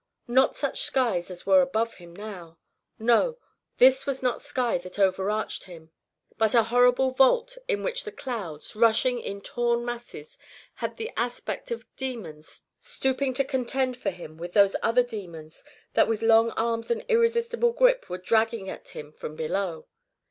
Not such skies as were above him now. No, this was not sky that overarched him, but a horrible vault in which the clouds, rushing in torn masses, had the aspect of demons stooping to contend for him with those other demons that with long arms and irresistible grip were dragging at him from below.